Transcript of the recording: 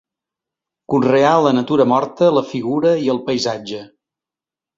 Conreà la natura morta, la figura i el paisatge.